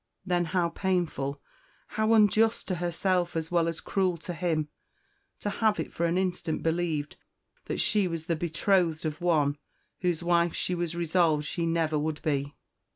Then how painful how unjust to herself, as well as cruel to him, to have it for an instant believed that she was the betrothed of one whose wife she was resolved she never would be!